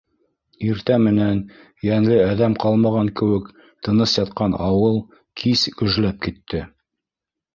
Иртә менән йәнле әҙәм ҡалмаған кеүек тыныс ятҡан ауыл кис менән гөжләп китте.